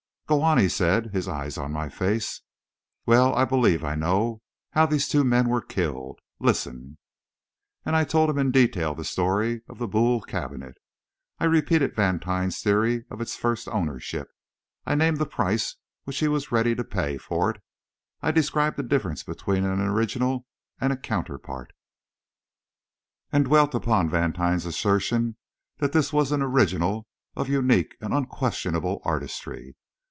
"Go on," he said, his eyes on my face. "Well, I believe I know how these two men were killed. Listen." And I told him in detail the story of the Boule cabinet; I repeated Vantine's theory of its first ownership; I named the price which he was ready to pay for it; I described the difference between an original and a counterpart, and dwelt upon Vantine's assertion that this was an original of unique and unquestionable artistry.